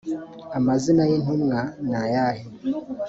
amazina y intumwa ni ayahe